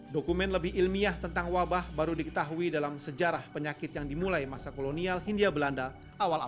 dokumen lebih ilmiah tentang wabah baru diketahui dalam sejarah penyakit yang dimulai masa kolonial hindia belanda awal awal